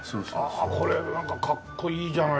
ああこれなんかかっこいいじゃないですか。